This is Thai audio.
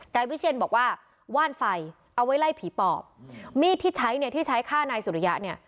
นายวิเชียนบอกว่าว่านไฟเอาไว้ไล่ผีปอบมีดที่ใช้เนี่ยที่ใช้ฆ่านายสุริยะเนี่ย